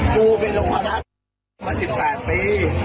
รู้จักกูดี